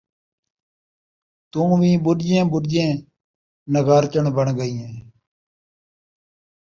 توں وی پݙدیں پݙدیں نغارچݨ بݨ ڳئی ہیں